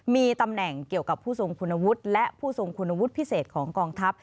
มีตำแหน่งเกี่ยวกับผู้ทรงคุณวุฒิและผู้ทรงคุณวุฒิพิเศษของกองทัพ